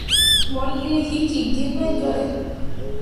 Mo lii hikki gi me jolle.